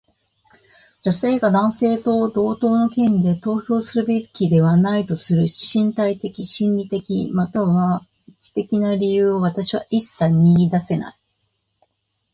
女性が男性と同等の権利で投票するべきではないとする身体的、心理的、または知的な理由を私は一切見いだせない。